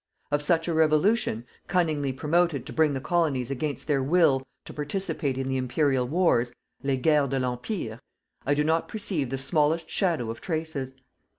Of such a Revolution, cunningly promoted to bring the colonies against their will to participate in the Imperial wars les guerres de l'empire I do not perceive the smallest shadow of traces.